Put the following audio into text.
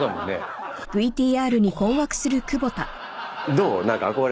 「どう？」